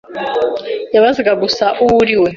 yabazaga gusa uwo uriwe.